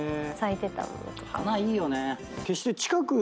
花いいよね。